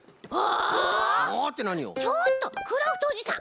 ちょっとクラフトおじさん！